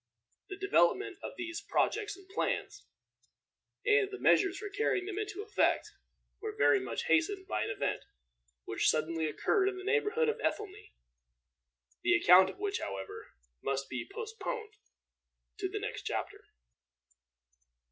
The development of these projects and plans, and the measures for carrying them into effect, were very much hastened by an event which suddenly occurred in the neighborhood of Ethelney, the account of which, however, must be postponed to the next chapter.